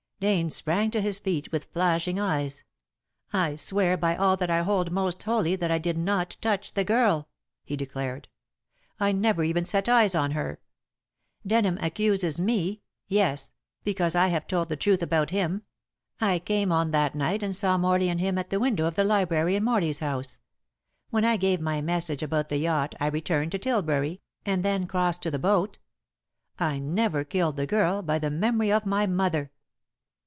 Dane sprang to his feet with flashing eyes. "I swear by all that I hold most holy that I did not touch the girl," he declared. "I never even set eyes on her. Denham accuses me yes, because I have told the truth about him. I came on that night and saw Morley and him at the window of the library in Morley's house. When I gave my message about the yacht I returned to Tilbury, and then crossed to the boat. I never killed the girl, by the memory of my mother!"